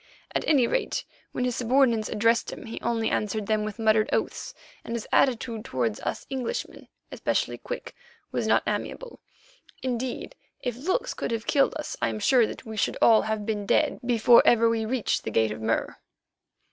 At any rate, when his subordinates addressed him he only answered them with muttered oaths, and his attitude towards us Englishmen, especially Quick, was not amiable. Indeed, if looks could have killed us I am sure that we should all have been dead before ever we reached the Gate of Mur.